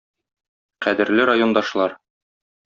Кадерле райондашлар!